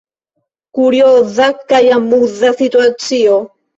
Kurioza kaj amuza situacio?